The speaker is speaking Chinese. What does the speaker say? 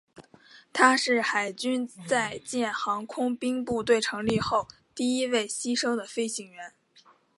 他是海军舰载航空兵部队成立后第一位牺牲的飞行员。